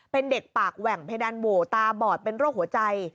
เป็นเด็กปากแหว่งเพดานโหวตาบอดเป็นโรคหัวใจ